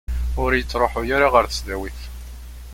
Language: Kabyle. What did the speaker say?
Ur ittruḥu ara ɣer tesdawit.